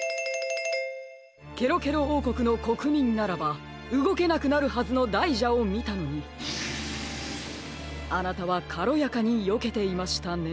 ケロケロおうこくのこくみんならばうごけなくなるはずのだいじゃをみたのにあなたはかろやかによけていましたね。